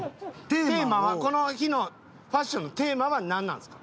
テーマはこの日のファッションのテーマはなんなんですか？